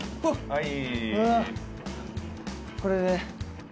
はい。